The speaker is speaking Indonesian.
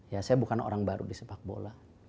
ya saya bukan orang baru di sepak bola